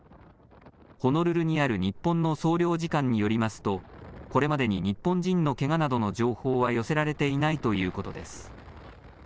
ホノルルにある日本の総領事館によりますとこれまでに日本人のけがなどの情報は寄せられていないということです。